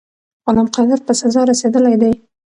غلام قادر په سزا رسېدلی دی.